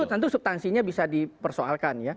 tentu subtansinya bisa dipersoalkan